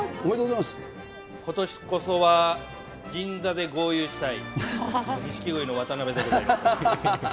今年こそは銀座で豪遊したい、錦鯉の渡辺でございます。